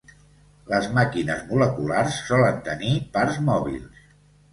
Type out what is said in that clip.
Les màquines moleculars solen tenir parts mòbils.